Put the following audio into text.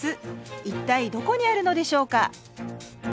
一体どこにあるのでしょうか